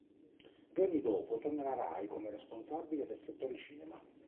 Due anni dopo torna alla Rai come responsabile del settore cinema.